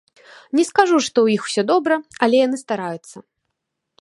Не скажу, што ў іх усё добра, але яны стараюцца.